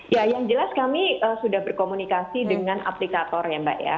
ya yang jelas kami sudah berkomunikasi dengan aplikator ya mbak ya